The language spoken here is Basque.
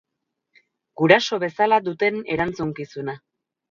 Guraso bezala duten erantzukizuna.